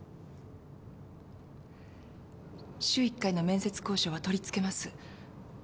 週１回の面接交渉は取り付けます。